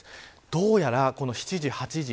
どうやらこの７時、８時。